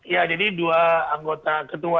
ya jadi dua anggota ketua